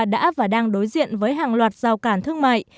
đã và đang đối diện với hàng loạt rào cản thương mại